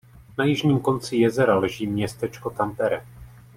Na jižním konci jezera leží město Tampere.